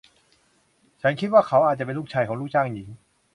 ฉันคิดว่าเขาอาจจะเป็นลูกชายของลูกจ้างหญิง